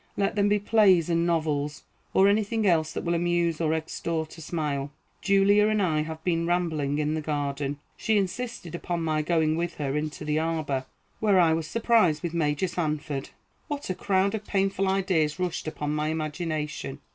Let them be plays and novels, or any thing else that will amuse or extort a smile. Julia and I have been rambling in the garden. She insisted upon my going with her into the arbor, where I was surprised with Major Sanford. What a crowd of painful ideas rushed upon my imagination!